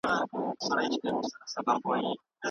آیا په کمپیوټر کي د پروګرامونو کارول پخپله زده کېږي؟